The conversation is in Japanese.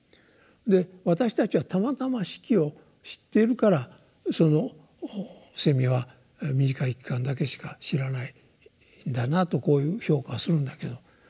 で私たちはたまたま四季を知っているからそのセミは短い期間だけしか知らないんだなとこういう評価をするんだけど。